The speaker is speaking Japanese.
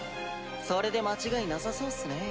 それで間違いなさそうっすね。